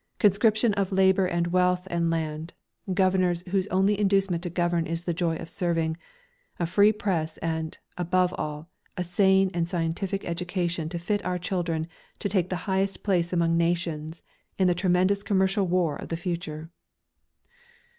Conscription of labour and wealth and land, governors whose only inducement to govern is the joy of serving, a free Press and, above all, a sane and scientific education to fit our children to take the highest place among nations in the tremendous commercial war of the future.